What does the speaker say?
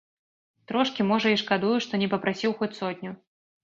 Трошкі, можа, і шкадую, што не папрасіў хоць сотню.